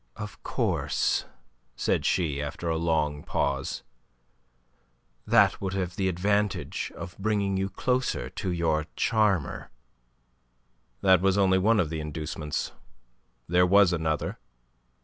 "Of course," said she, after a long pause, "that would have the advantage of bringing you closer to your charmer." "That was only one of the inducements. There was another.